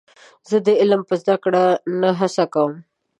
زه د علم په زده کړه کې نه هڅه کوم.